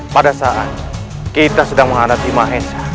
pada saat kita sedang menghadapi mahensa